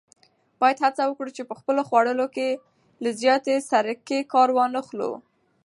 باید هڅه وکړو چې په خپلو خوړو کې له زیاتې سرکې کار وانخلو.